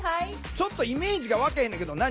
ちょっとイメージが湧けへんねんけど何？